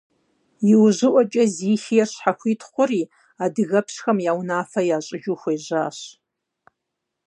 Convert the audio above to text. Иужьыӏуэкӏэ Зихиер щхьэхуит хъури, адыгэпщхэм я унафэ ящӏыжу хуежьащ.